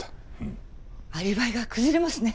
アリバイが崩れますね。